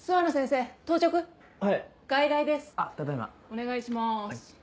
お願いします。